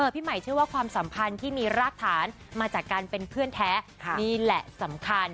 พี่ใหม่เชื่อว่าความสัมพันธ์ที่มีรากฐานมาจากการเป็นเพื่อนแท้นี่แหละสำคัญ